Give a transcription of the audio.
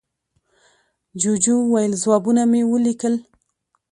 جوجو وویل، ځوابونه مې وليکل.